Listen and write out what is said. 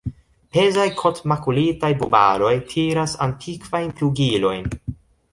Pezaj kotmakulitaj bubaloj tiras antikvajn plugilojn.